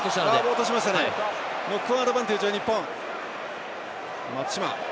ノックオンアドバンテージは日本。